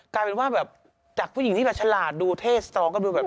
กลายเป็นว่าจากผู้หญิงที่ชาลาดดูเท่ซ้องก็ดูแบบ